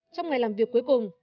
trong ngày làm việc cuối cùng